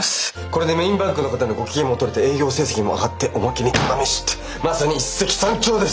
これでメインバンクの方のご機嫌もとれて営業成績も上がっておまけにただ飯ってまさに一石三鳥です！